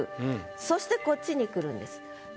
そしてこっちにくるんです。